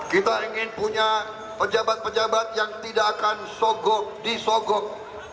kita ingin punya pejabat pejabat yang tidak akan sogok disogok